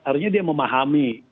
artinya dia memahami